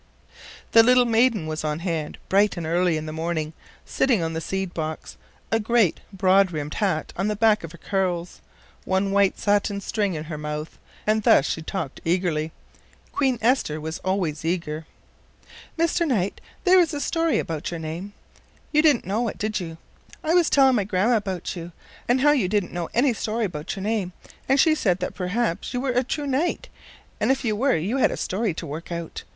The little maiden was on hand bright and early in the morning, sitting on the seed box, a great broad brimmed hat on the back of her curls, one white satin string in her mouth, and thus she talked eagerly. Queen Esther was always eager. "Mr. Knight, there is a story 'bout your name. You didn't know it, did you? I was telling my grandma 'bout you, and how you didn't know any story 'bout your name, and she said that perhaps you were a true knight, and if you were you had a story to work out.